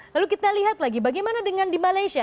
lalu kita lihat lagi bagaimana dengan di malaysia